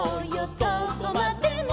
どこまでも」